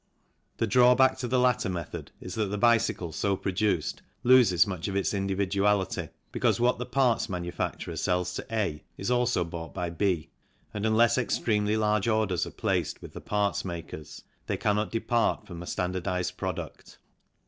The drawback PRODUCTION METHODS 49 to the latter method is that the bicycle so produced loses much of its individuality because what the parts manufacturer sells to A is also bought by B, and, unless extremely large orders are placed with the parts makers, they cannot depart from a standardized product.